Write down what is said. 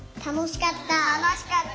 たのしかった。